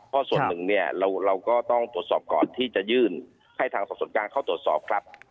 เพราะส่วนหนึ่งเนี่ยเราก็ต้องตรวจสอบก่อนที่จะยื่นให้ทางสอบส่วนกลางเข้าตรวจสอบครับ